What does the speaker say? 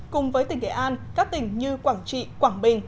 cùng với tỉnh nghệ an các tỉnh như quảng trị quảng bình